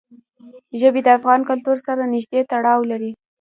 ژبې د افغان کلتور سره نږدې تړاو لري.